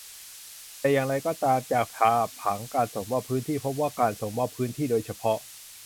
แต่อย่างไรก็ตาม จากภาพผังการส่งมอบพื้นที่พบว่า การส่งมอบพื้นที่โดยเฉพาะ